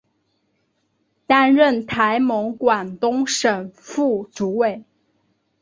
担任台盟广东省副主委。